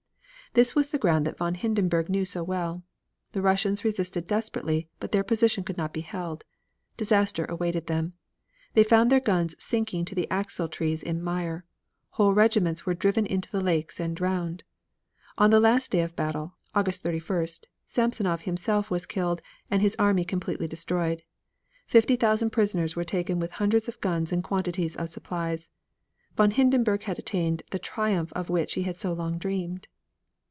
This was the ground that von Hindenburg knew so well. The Russians resisted desperately, but their position could not be held. Disaster awaited them. They found their guns sinking to the axle trees in mire. Whole regiments were driven into the lakes and drowned. On the last day of battle, August 31st, Samsonov himself was killed, and his army completely destroyed. Fifty thousand prisoners were taken with hundreds of guns and quantities of supplies. Von Hindenburg had attained the triumph of which he had so long dreamed.